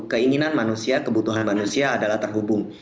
keinginan manusia kebutuhan manusia adalah terhubung